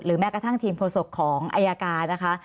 แม้กระทั่งทีมโฆษกของอายการนะคะ